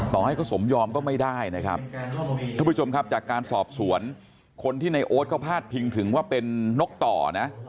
ต่อให้เขาสมยอมก็ไม่ได้นะครับทุกผู้ชมครับจากการสอบสวนคนที่ในโอ๊ตเขาพาดพิงถึงว่าเป็นนกต่อนะ